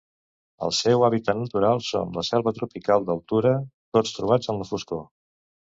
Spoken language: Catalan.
El seu hàbitat natural són la selva tropical d'altura, tots trobats en la foscor.